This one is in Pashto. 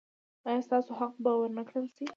ایا ستاسو حق به ور نه کړل شي؟